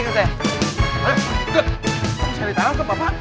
kamu cari tanah atau bapak